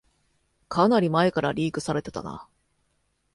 かなり前からリークされてたな